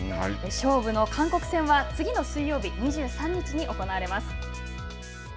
勝負の韓国戦は次の水曜日、２３日に行われます。